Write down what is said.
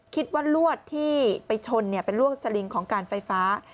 คิดว่าลวดที่ไปชนในแห่งลวดไฟฟ้า